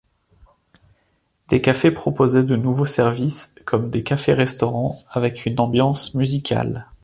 Des cafés proposaient de nouveaux services comme des cafés-restaurants avec une ambiance musicale.